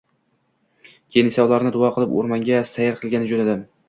Keyin esa ularni duo qilib, o`rmonga sayr qilgani jo`nadim